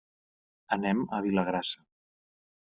Anem a Vilagrassa.